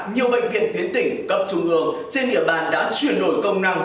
nhiều bệnh viện tuyến tỉnh cấp trung ương trên địa bàn đã chuyển đổi công năng